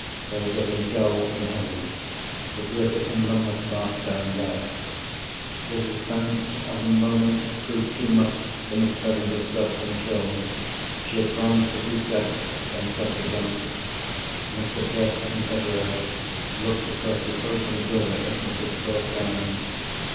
They were getting dull and heavy; the glitter in them was fast dying out. The suspense of the moment proved too much for Miss Verinder's self control. She advanced a few steps—then stopped again. Mr. Bruff and Betteredge looked across the open doorway at me for the first time.